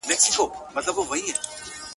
د لېوه ستوني ته سر یې کړ دننه٫